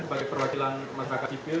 sebagai perwakilan masyarakat civil